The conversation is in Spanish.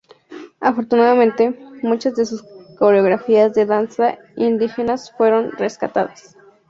Afortunadamente, muchas de sus coreografías de danzas indígenas fueron rescatadas.